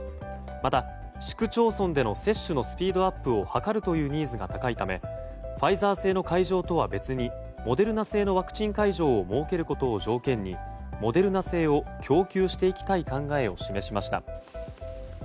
また、市区町村での接種のスピードアップを図るというニーズが高いためファイザー製の会場とは別にモデルナ製のワクチン会場を設けることを条件にモデルナ製を供給していきたい考えを示しました。